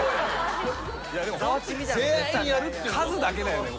数だけだよね。